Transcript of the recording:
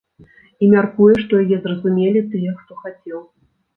І мяркуе, што яе зразумелі тыя, хто хацеў.